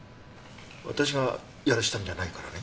私がやらせたんじゃないからね。